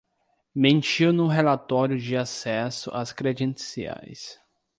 Mentiu no relatório de acesso às credenciais